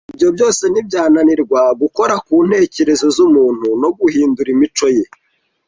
ibyo byose ntibyananirwa gukora ku ntekerezo z’umuntu no guhindura imico ye.